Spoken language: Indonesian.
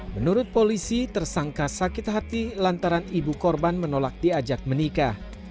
menurut polisi tersangka sakit hati lantaran ibu korban menolak diajak menikah